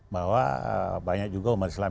bahwa banyak juga umat islam